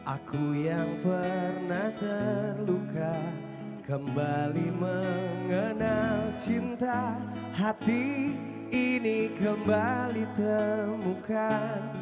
aku yang pernah terluka kembali mengenal cinta hati ini kembali temukan